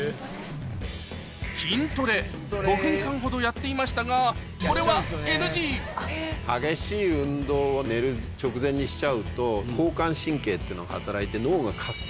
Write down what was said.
筋トレ５分間ほどやっていましたがこれはＮＧ激しい運動を寝る直前にしちゃうと交感神経っていうのが働いて。